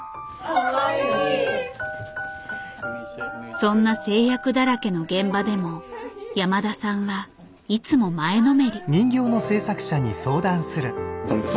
そんな制約だらけの現場でも山田さんはいつも前のめり。